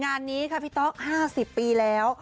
งานนี้ค่ะพี่ต๊อก๕๐ปีแล้ว